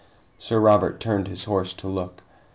Sir Robert turned his horse to look.